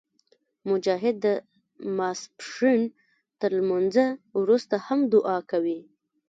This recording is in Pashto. مجاهد د ماسپښین تر لمونځه وروسته هم دعا کوي.